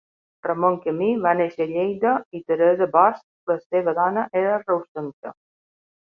Ramon Camí va néixer a Lleida i Teresa Bosch, la seva dona era reusenca.